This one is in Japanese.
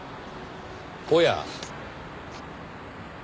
おや。